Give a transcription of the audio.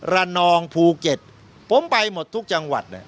ระนองภูเก็ตผมไปหมดทุกจังหวัด